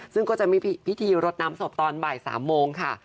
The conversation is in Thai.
ซึ่งก็จะมีพิธีรดน้ำศพตอนบ่าย๓โมงค่ะ